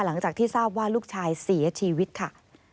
หลังจากที่ทราบว่าลูกชายเสียชีวิตค่ะ